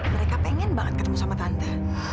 mereka pengen banget ketemu sama tante